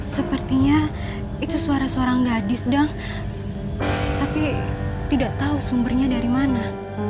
sepertinya itu suara suara gadis dong tapi tidak tahu sumbernya dari mana